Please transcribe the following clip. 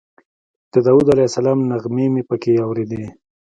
د داود علیه السلام نغمې مې په کې اورېدې.